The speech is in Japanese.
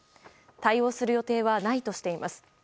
対応する予定はないとしています。